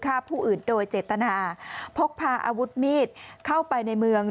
ฆ่าผู้อื่นโดยเจตนาพกพาอาวุธมีดเข้าไปในเมือง